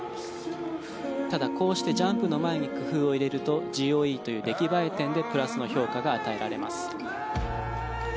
ただ、こうしてジャンプの前に工夫を入れるとＧＯＥという出来栄え点でプラスの評価が与えられます。